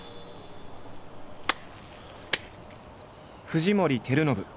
藤森照信。